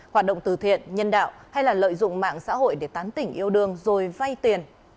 hoạt động từ thiện nhân đạo hay là lợi dụng mạng xã hội để tán tỉnh yêu đương rồi vay tiền